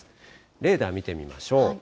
レーダー見てみましょう。